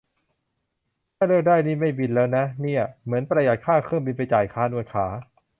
ถ้าเลือกได้นี่ไม่บินแล้วอะ เนี่ย เหมือนประหยัดค่าเครื่องบินไปจ่ายค่านวดขา